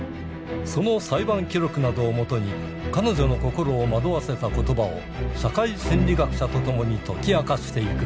その裁判記録などを基に彼女の心を惑わせた言葉を社会心理学者と共に解き明かしていく。